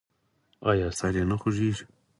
ایا سر یې نه خوږیږي؟